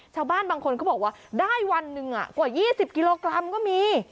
ชาวบ้านบางคนเขาบอกว่าได้วันหนึ่งกว่า๒๐กิโลกรัมก็มี